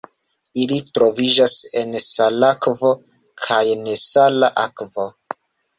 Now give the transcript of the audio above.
Ili troviĝas en salakvo kaj nesala akvo.